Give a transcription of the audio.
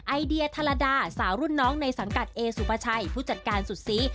ไอเดียทารดาสาวรุ่นน้องในสังกัดเอสุภาชัยผู้จัดการสุดซี